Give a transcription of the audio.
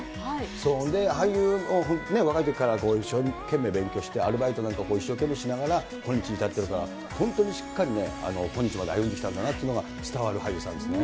それで、俳優を若いときから一生懸命勉強して、アルバイトなんか一生懸命しながら、今日に至ってるから、本当にしっかりね、今日まで歩んできたんだなっていうのが伝わる俳優さんですね。